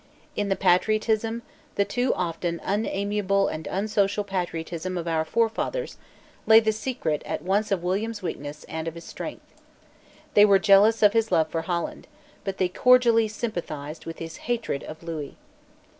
In the patriotism, the too often unamiable and unsocial patriotism of our forefathers, lay the secret at once of William's weakness and of his strength. They were jealous of his love for Holland; but they cordially sympathized with his hatred of Lewis.